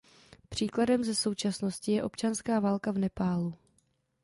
Příkladem ze současnosti je občanská válka v Nepálu.